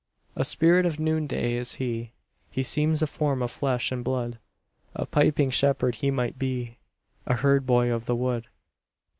A spirit of noon day is he, He seems a Form of flesh and blood; A piping Shepherd he might be, A Herd boy of the wood.